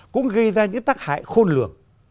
cũng gây ra những tác hại khôn lường